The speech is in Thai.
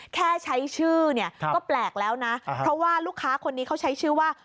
แค่ใช้ชื่อเนี่ยก็แปลกแล้วนะเพราะว่าลูกค้าคนนี้เขาใช้ชื่อว่า